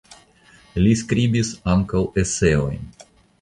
Li skribis ankaŭ eseojn.